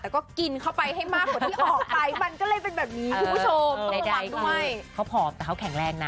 แต่ก็กินเข้าไปให้มาก